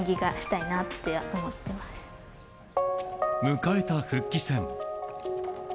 迎えた復帰戦。